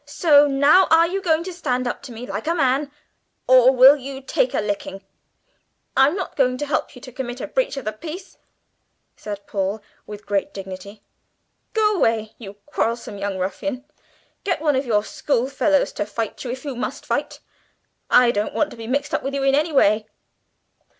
So, now, are you going to stand up to me like a man, or will you take a licking?" "I'm not going to help you to commit a breach of the peace," said Paul with great dignity. "Go away, you quarrelsome young ruffian! Get one of your schoolfellows to fight you, if you must fight. I don't want to be mixed up with you in any way."